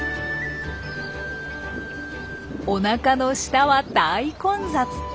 おなかの下は大混雑。